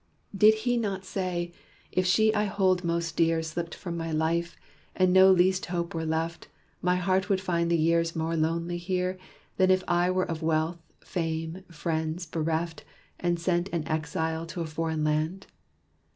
Did he not say, 'If she I hold most dear Slipped from my life, and no least hope were left, My heart would find the years more lonely here Than if I were of wealth, fame, friends, bereft, And sent, an exile, to a foreign land'?